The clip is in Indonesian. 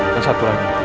dan satu lagi